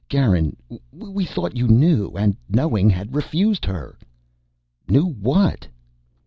"Garin, we thought you knew and, knowing, had refused her." "Knew what?"